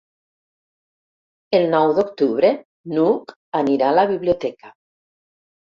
El nou d'octubre n'Hug anirà a la biblioteca.